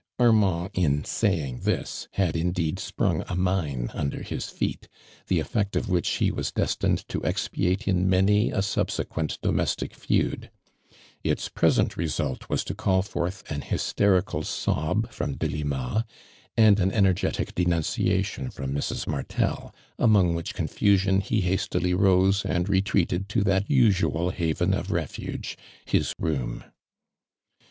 Armand, in saying this, had indeed sprung a mine under his feet, the effect of which he was destined to expiate in many a sub sequent domestic feud. Its present result was to call forth an hysterical sob from Deluna and an energetic denunciation from Mrs. Martel, among which confusion he hastily rose and retreated to that usual haven of refuge, his room.